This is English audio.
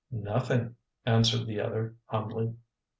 "Nothing," answered the other humbly.